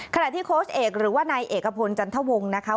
ขณะที่โคชเอกหรือว่าในเอกผลจรรทธวงนะคะ